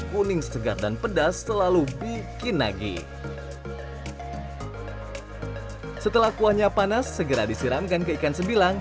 kuning segar dan pedas selalu bikin nagi setelah kuahnya panas segera disiramkan ke ikan sebilang